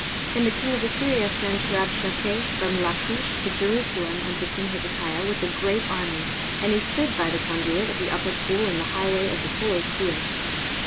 23:036:002 And the king of Assyria sent Rabshakeh from Lachish to Jerusalem unto king Hezekiah with a great army. And he stood by the conduit of the upper pool in the highway of the fuller's field.